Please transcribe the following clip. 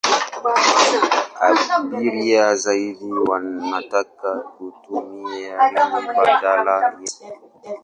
Abiria zaidi wanataka kutumia reli badala ya basi.